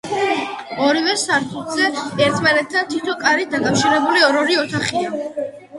ორივე სართულზე, ერთმანეთთან თითო კარით დაკავშირებული, ორ-ორი ოთახია.